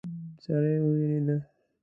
سړی وویرید.